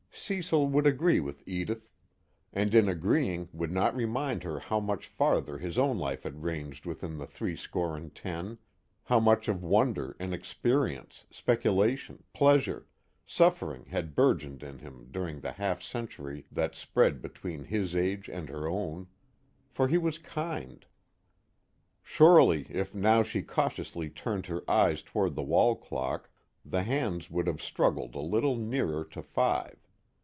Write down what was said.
Cecil would agree with Edith; and in agreeing would not remind her how much farther his own life had ranged within the threescore and ten, how much of wonder and experience, speculation, pleasure, suffering had burgeoned in him during the half century that spread between his age and her own: for he was kind. Surely if now she cautiously turned her eyes toward the wall clock, the hands would have struggled a little nearer to five.